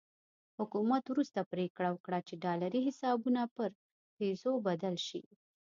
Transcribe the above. حکومت وروسته پرېکړه وکړه چې ډالري حسابونه پر پیزو بدل شي.